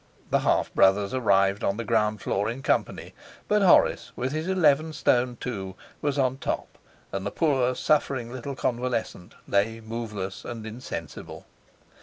The half brothers arrived on the ground floor in company, but Horace, with his eleven stone two, was on top, and the poor suffering little convalescent lay moveless and insensible.